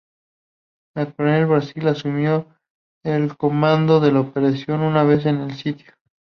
El Coronel Blair asumió el comando de la operación una vez en el sitio.